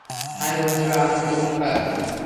High, বন্ধুরা, আমি ওমকার।